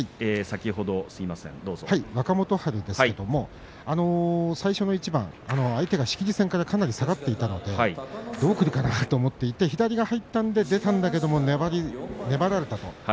若元春ですが最初の一番相手が仕切り線からかなり下がっていたのでどうくるかなと思って左が入ったので出たけど粘られたと。